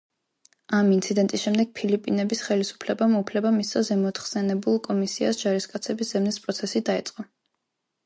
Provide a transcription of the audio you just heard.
ამ ინციდენტის შემდეგ ფილიპინების ხელისუფლებამ უფლება მისცა ზემოთხსენებულ კომისიას ჯარისკაცების ძებნის პროცესი დაეწყო.